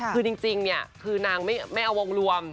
คือจริงเนี่ยคือนางไม่เอาวงรวม